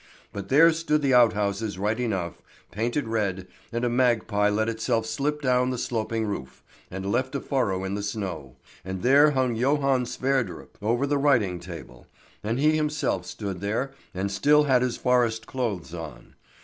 But there stood the outhouses right enough, painted red, and a magpie let itself slip down the sloping roof, and left a furrow in the snow; and there hung Johan Sverdrup over the writing table, and he himself stood here and still had his forest clothes on.